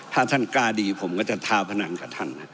ถ้าท่านกล้าดีผมก็จะทาพนันกับท่าน